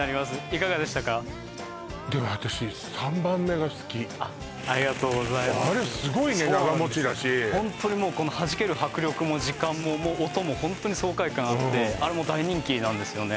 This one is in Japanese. いかがでしたかでも私３番目が好きあっありがとうございますあれすごいね長もちだしホントにもうこのはじける迫力も時間も音もホントに爽快感あってあれもう大人気なんですよね